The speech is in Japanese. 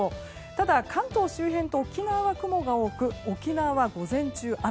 ただ、関東周辺と沖縄は雲が多く沖縄は午前中雨。